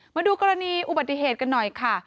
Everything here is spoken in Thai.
มาดูกรณีอุบัติเหตุกันหน่อยค่ะ